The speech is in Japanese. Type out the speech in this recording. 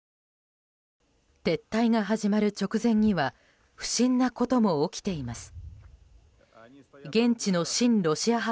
撤退が始まる直前には不審なことも起きています。